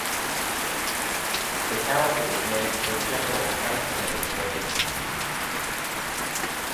The county is named for General Anthony Wayne.